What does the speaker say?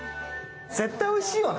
絶対おいしいよね。